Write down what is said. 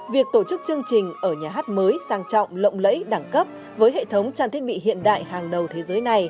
việc tổ chức chương trình ở nhà hát mới sang trọng lộng lẫy đẳng cấp với hệ thống trang thiết bị hiện đại hàng đầu thế giới này